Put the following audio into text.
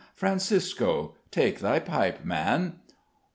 "Francisco, take thy pipe, man!